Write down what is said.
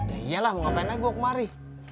ya iyalah mau ngapain aja gue kemari